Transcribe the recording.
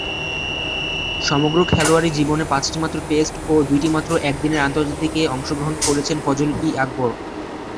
সমগ্র খেলোয়াড়ী জীবনে পাঁচটিমাত্র টেস্ট ও দুইটিমাত্র একদিনের আন্তর্জাতিকে অংশগ্রহণ করেছেন ফজল-ই-আকবর।